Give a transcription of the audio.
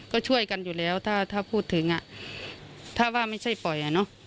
ก็ช่วยกันอยู่แล้วถ้าพูดถึงถ้าว่าไม่ใช่ปล่อย